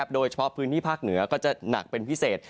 โดยเฉพาะพื้นที่ภาคเหนือก็จะหนักเป็นพิเศษ